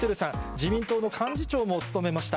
自民党の幹事長も務めました。